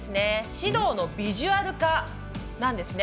指導のビジュアル化なんですね。